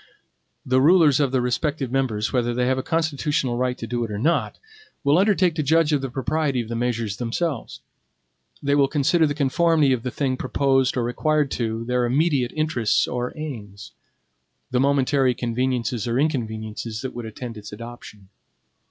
The rulers of the respective members, whether they have a constitutional right to do it or not, will undertake to judge of the propriety of the measures themselves. They will consider the conformity of the thing proposed or required to their immediate interests or aims; the momentary conveniences or inconveniences that would attend its adoption.